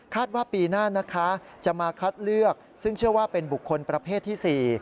ว่าปีหน้านะคะจะมาคัดเลือกซึ่งเชื่อว่าเป็นบุคคลประเภทที่๔